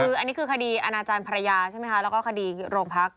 คืออันนี้คือคดีอาณาจารย์ภรรยาใช่ไหมคะแล้วก็คดีโรงพัก